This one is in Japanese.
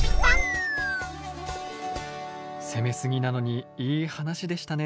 攻めすぎなのにいい話でしたねえ。